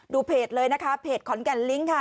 เพจเลยนะคะเพจขอนแก่นลิงค์ค่ะ